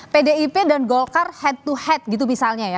pdip dan golkar head to head gitu misalnya ya